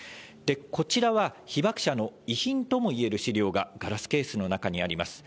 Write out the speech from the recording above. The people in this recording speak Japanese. こちらは被爆者の遺品ともいえる資料がガラスケースの中にあります。